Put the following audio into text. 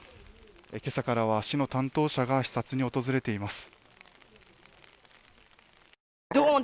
今朝からは市の担当者が視察に訪れています。